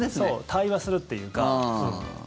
対話するっていうか。